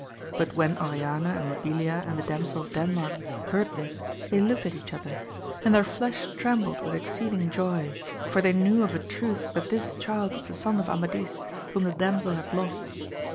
But when Oriana and Mabilia and the Damsel of Denmark heard this they looked at each other, and their flesh trembled for exceeding joy, for they knew of a truth that this child was the son of Amadis, whom the damsel had lost.